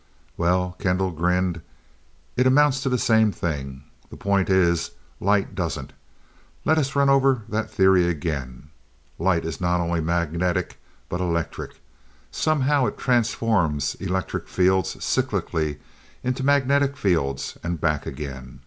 "Well" Kendall grinned "it amounts to the same thing. The point is, light doesn't. Let's run over that theory again. Light is not only magnetic; but electric. Somehow it transforms electric fields cyclically into magnetic fields and back again.